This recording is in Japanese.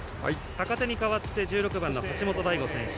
坂手に代わって１６番橋本大吾選手。